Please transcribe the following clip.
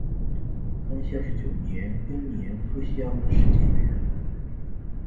康熙二十九年庚午科乡试解元。